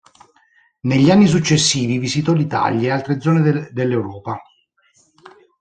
Negli anni successivi visitò l'Italia e altre zone dell'Europa.